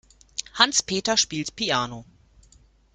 Hans-Peter spielt Piano.